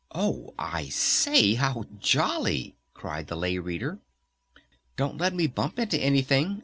"Oh, I say, how jolly!" cried the Lay Reader. "Don't let me bump into anything!"